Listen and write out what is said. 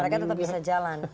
mereka tetap bisa jalan